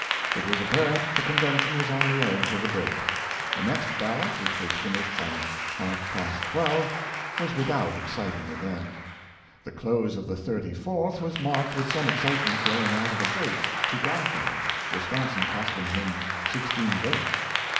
It was apparent the Convention was on the edge of a break. The next ballot, which was finished by half past 12, was without exciting event. The close of the thirty fourth was marked with some excitement grow ing out of a break to Garfield, Wisconsin casting for him sixteen votes.